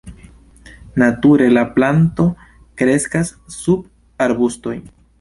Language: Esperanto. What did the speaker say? Nature la planto kreskas sub arbustoj.